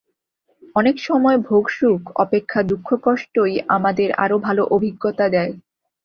অনেক সময় ভোগসুখ অপেক্ষা দুঃখকষ্টই আমাদের আরও ভাল অভিজ্ঞতা দেয়।